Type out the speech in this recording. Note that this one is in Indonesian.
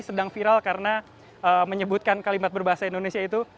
sedang viral karena menyebutkan kalimat berbahasa indonesia itu